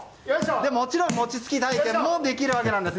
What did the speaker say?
もちろん餅つき体験もできるわけです。